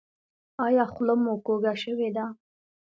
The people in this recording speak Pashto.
ایا خوله مو کوږه شوې ده؟